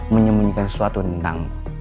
menyembunyikan sesuatu tentang